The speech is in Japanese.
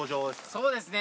そうですね。